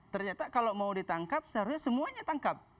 ternyata kalau mau ditangkap seharusnya semuanya tangkap